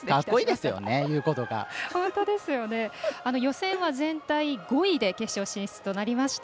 予選は全体５位で決勝進出となりました。